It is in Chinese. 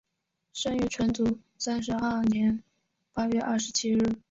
生于纯祖三十二年八月二十七日。